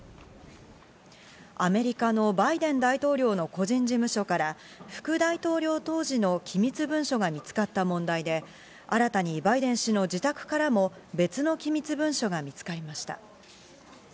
アメリカのバイデン大統領の個人事務所から副大統領当時の機密文書が見つかった問題で、新たにバイデン氏の自宅からも別の機密文書が見つかりました。